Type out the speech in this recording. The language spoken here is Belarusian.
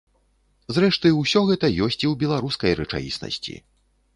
Зрэшты, усё гэта ёсць і ў беларускай рэчаіснасці.